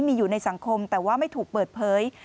มีอยู่ในสังคมแต่ว่าไม่ถูกเปิดเผย